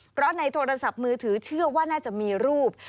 เพราะในโทรศัพท์มือถือเชื่อว่าน่าจะมีรูป